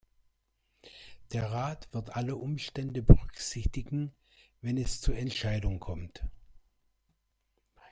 Der Rat wird alle Umstände berücksichtigen, wenn es zur Entscheidung kommt.